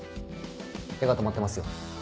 手が止まってますよ。